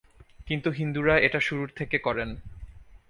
কিন্তু হিন্দুরা এটা শুরুর থেকে করেন।